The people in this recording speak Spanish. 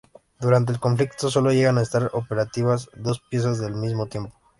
Durante el conflicto, solo llegan a estar operativas dos piezas al mismo tiempo.